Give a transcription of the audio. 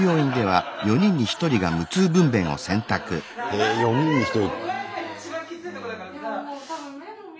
へえ４人に１人。